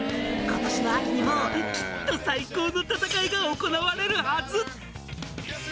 「今年の秋にもきっと最高の戦いが行われるはず！」